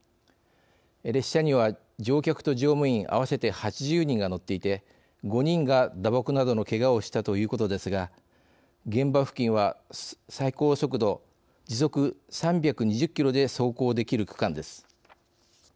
列車には、乗客と乗務員合わせて８０人が乗っていて５人が打撲などのけがをしたということですが現場付近は最高速度、時速３２０キロで走行できる区間です。